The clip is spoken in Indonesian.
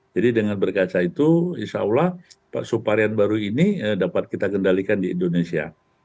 jadi dengan berkaca itu insya allah suparian baru ini dapat kita kendalikan di indonesia